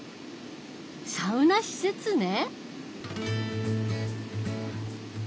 サウナ施設ね。